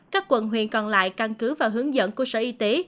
các quận huyện còn lại căn cứ và hướng dẫn của sở y tế